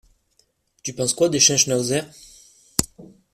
Tu penses quoi des chiens schnauzer?